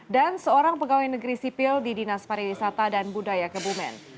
dan seorang pegawai negeri sipil di dinas pariwisata dan budaya kebumen